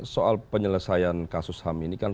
soal penyelesaian kasus ham ini kan